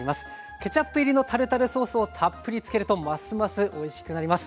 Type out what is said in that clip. ケチャップ入りのタルタルソースをたっぷりつけるとますますおいしくなります。